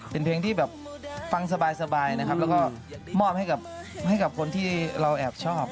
เป็นเพลงที่แบบฟังสบายนะครับแล้วก็มอบให้กับคนที่เราแอบชอบ